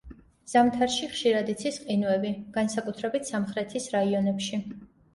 ზამთარში ხშირად იცის ყინვები, განსაკუთრებით სამხრეთის რაიონებში.